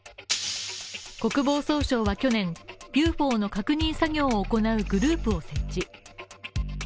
国防総省は、去年、ＵＦＯの確認作業を行うグループを設置。